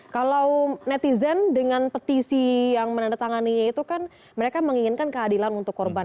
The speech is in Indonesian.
kalau netizen dengan petisi yang menandatanganinya itu kan mereka menginginkan keadilan untuk korban